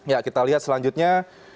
ya kita lihat selanjutnya